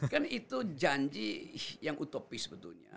kan itu janji yang utopis sebetulnya